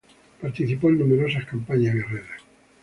Participó en numerosas campañas guerreras.